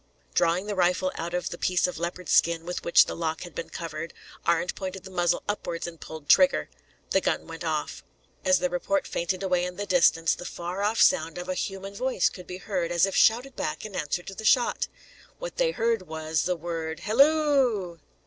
Drawing the rifle out of the piece of leopard skin with which the lock had been covered, Arend pointed the muzzle upwards and pulled trigger. The gun went off. As the report fainted away in the distance, the far off sound of a human voice could be heard as if shouted back in answer to the shot. What they heard was the word "Hilloo."